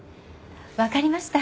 わかりました。